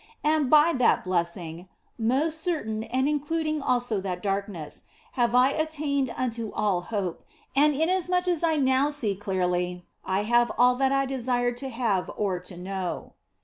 And by that blessing (most certain, and including also that darkness) have I attained unto all my hope, and inasmuch as now I see clearly, I have all that I desired to have or to know.